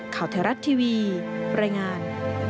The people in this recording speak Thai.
ข่าวไทยรัฐทีวีรายงาน